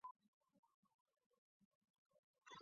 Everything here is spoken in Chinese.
兽医是给动物治疗疾病的医生。